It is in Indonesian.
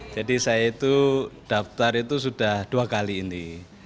saya itu daftar itu sudah dua kali ini